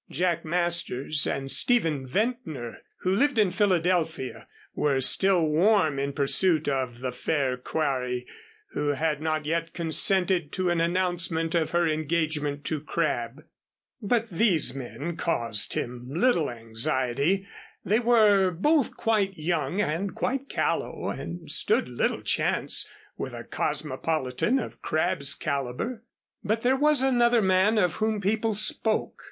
Jack Masters, and Stephen Ventnor, who lived in Philadelphia, were still warm in pursuit of the fair quarry, who had not yet consented to an announcement of her engagement to Crabb. But these men caused him little anxiety. They were both quite young and quite callow and stood little chance with a cosmopolitan of Crabb's caliber. But there was another man of whom people spoke.